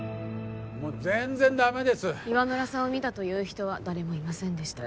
もう全然ダメです岩村さんを見たという人は誰もいませんでした